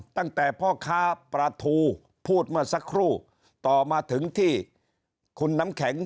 ตั้งแต่พ่อค้าปลาทูพูดเมื่อสักครู่ต่อมาถึงที่คุณน้ำแข็ง